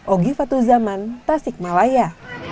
ogifatuzaman tasik malaya